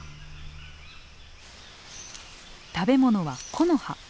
食べ物は木の葉。